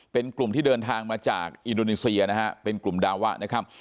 เป็นกลุ่มที่เดินทางมาจากอินโดนีเซียนะฮะเป็นกลุ่มดาวะนะครับ